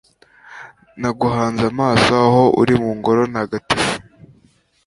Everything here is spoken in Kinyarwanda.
Naguhanze amaso aho uri mu Ngoro ntagatifu